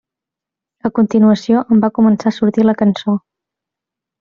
A continuació em va començar a sortir la cançó.